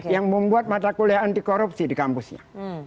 yang membuat mata kuliah anti korupsi di kampusnya